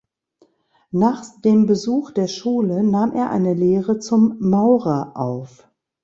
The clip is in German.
Nach dem Besuch der Schule nahm er eine Lehre zum Maurer auf.